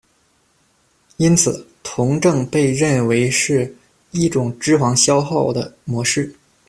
因此，酮症被认为是一种脂肪消耗的模式。